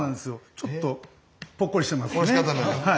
ちょっとぽっこりしてますね。